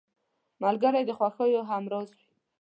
ملګری د خوښیو همراز وي